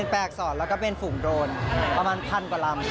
เล่นแปลกศรและก็เป็นฝุ่งโดรนประมาณพันกว่าลำ